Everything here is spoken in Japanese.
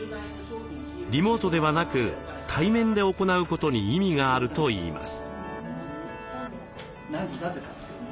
リモートではなく対面で行うことに意味があるといいます。